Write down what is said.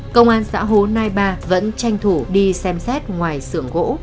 công an xã hồ nai ba vẫn tranh thủ đi xem xét ngoài xưởng gỗ